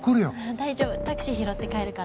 大丈夫タクシー拾って帰るから。